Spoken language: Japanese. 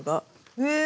へえ！